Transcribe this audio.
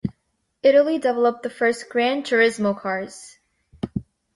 Italy developed the first "gran turismo" cars.